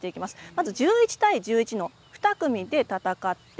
まず１１対１１の２組で戦います。